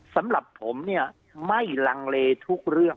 สำหรับผมเนี่ยไม่ลังเลทุกเรื่อง